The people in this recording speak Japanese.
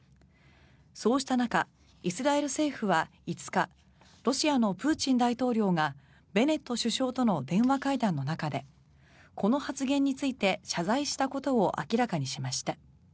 そうした中、イスラエル政府は５日ロシアのプーチン大統領がベネット首相との電話会談の中でこの発言について謝罪したことを明らかにしました。